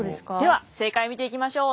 では正解見ていきましょう。